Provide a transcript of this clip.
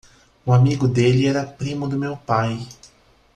O amigo dele era primo do meu pai.